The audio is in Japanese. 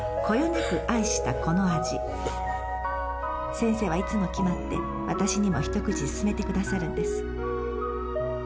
先生はいつも決まって私にも一口勧めてくださるんです。